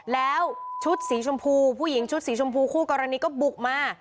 แล้วชุดสีชมพูผู้หญิงชุดสีชมพูคู่กรณีก็บุกมา